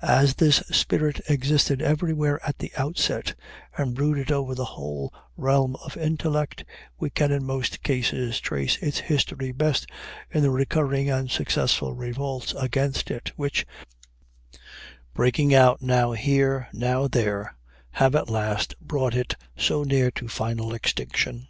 As this spirit existed everywhere at the outset, and brooded over the whole realm of intellect, we can in most cases trace its history best in the recurring and successful revolts against it, which, breaking out now here, now there, have at last brought it so near to final extinction.